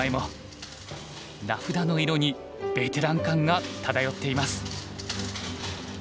名札の色にベテラン感が漂っています。